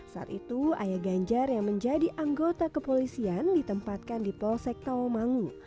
saat itu ayah ganjar yang menjadi anggota kepolisian ditempatkan di polsek tawamangu